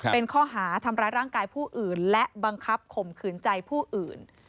เป็นข้อหาทำร้ายร่างกายผู้อื่นและบังคับข่มขืนใจผู้อื่น